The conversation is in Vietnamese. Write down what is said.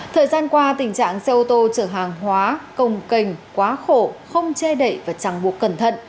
thời gian qua tình trạng xe ô tô chở hàng hóa công cành quá khổ không che đậy và chẳng buộc cẩn thận